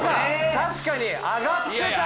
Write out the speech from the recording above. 確かに上がってた。